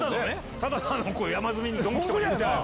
ただの山積みのドンキとかに売ってる。